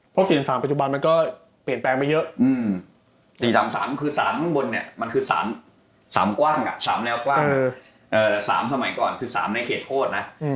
แต่๓สมัยก่อนคือ๓ในเขตโฆษณ์นะ